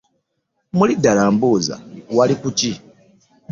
Muli ddala mbuuza wali kuki?